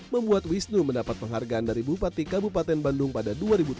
membuat wisnu mendapat penghargaan dari bupati kabupaten bandung pada dua ribu tujuh belas